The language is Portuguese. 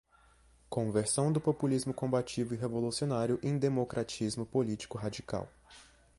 conversão do populismo combativo e revolucionário em democratismo político-radical